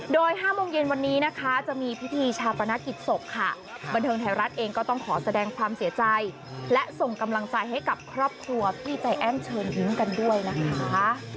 โดย๕โมงเย็นวันนี้นะคะจะมีพิธีชาปนกิจศพค่ะบันเทิงไทยรัฐเองก็ต้องขอแสดงความเสียใจและส่งกำลังใจให้กับครอบครัวพี่ใจแอ้นเชิญยิ้มกันด้วยนะคะ